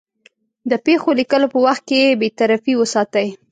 د پېښو لیکلو په وخت کې بېطرفي وساتي.